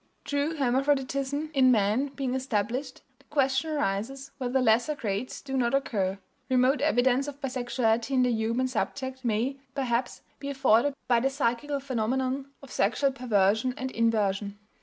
True hermaphroditism in man being established, the question arises whether lesser grades do not occur.... Remote evidence of bisexuality in the human subject may, perhaps, be afforded by the psychical phenomenon of sexual perversion and inversion."